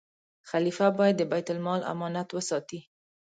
خلیفه باید د بیت المال امانت وساتي.